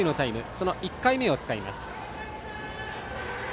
その１回目を使います。